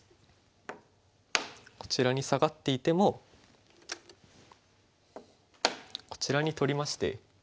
こちらにサガっていてもこちらに取りまして。